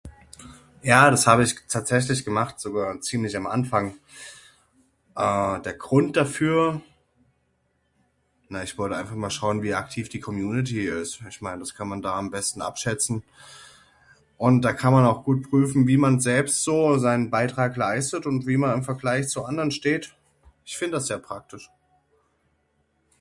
Ja das hab ich tatsächlich gemacht, sogar ziemlich am Anfang ah, der Grund dafür? Na ich wollt einfach mal schauen wie aktiv die Community ist, ich mein das kann man da am besten abschätzen. Und da kann man auch gut prüfen wie man selbst so seinen Beitrag leistet und wie man in Vergleich zu anderen steht. Ich find das sehr praktisch.